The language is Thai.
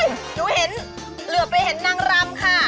หนูเห็นเหลือไปเห็นนางรำค่ะ